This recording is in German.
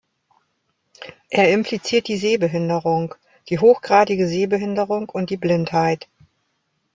Er impliziert die Sehbehinderung, die hochgradige Sehbehinderung und die Blindheit.